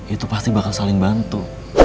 itu pasti bakal saling bantu